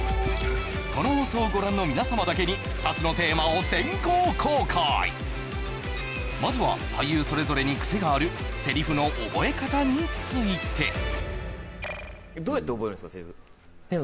この放送をご覧の皆様だけに２つのテーマをまずは俳優それぞれにクセがあるセリフの覚え方について顕さんどうやってる？